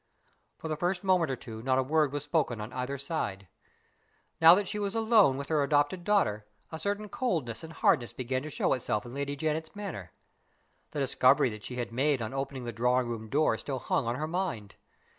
For the first moment or two not a word was spoken on either side. Now that she was alone with her adopted daughter, a certain coldness and hardness began to show itself in Lady Janet's manner. The discovery that she had made on opening the drawing room door still hung on her mind.